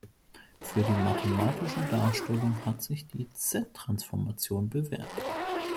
Für die mathematische Darstellung hat sich die z-Transformation bewährt.